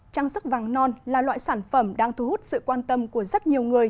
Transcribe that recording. trang sức vàng non là loại sản phẩm đang thu hút sự quan tâm của rất nhiều người